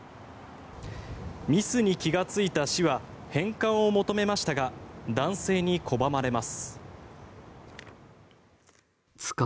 ミスに気がついた市は返還を求めましたが男性に拒まれます。